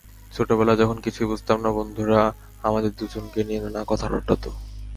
ছোটবেলায় যখন কিছুই বুঝতাম না, বন্ধুরা আমাদের দুজনকে নিয়ে নানা কথা রটাত।